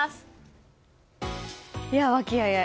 和気あいあい。